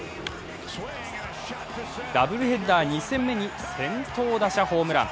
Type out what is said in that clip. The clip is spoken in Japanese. ダブルヘッダー２戦目に先頭打者ホームラン。